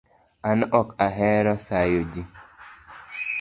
An Ok ahero sayo jii